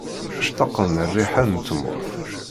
Ctaqen rriḥa n tmurt.